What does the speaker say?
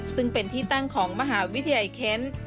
ซึ่งเป็นที่ตั้งของมหาวิทยาลัยเคน